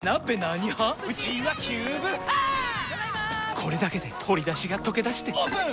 これだけで鶏だしがとけだしてオープン！